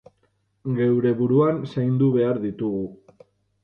Geure buruan zaindu behar ditugu.